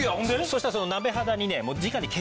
そしたらその鍋肌にね。